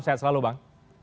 sehat selalu bang